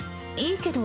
いいけど。